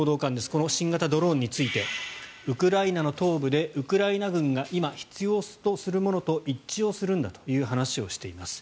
この新型ドローンについてウクライナの東部でウクライナ軍が今、必要とするものと一致をするんだという話をしています。